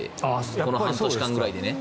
この半年間くらいで。